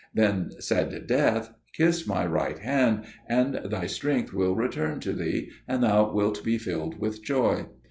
Then said Death, "Kiss my right hand and thy strength will return to thee, and thou wilt be filled with joy."